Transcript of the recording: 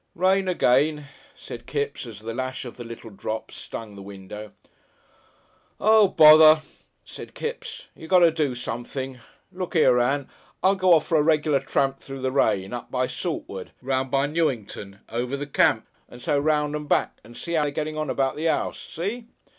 "Rain again!" said Kipps, as the lash of the little drops stung the window. "Oo, bother!" said Kipps, "you got to do something. Look 'ere, Ann! I'll go orf for a reg'lar tramp through the rain, up by Saltwood, 'round by Newington, over the camp, and so 'round and back, and see 'ow they're getting on about the 'ouse. See?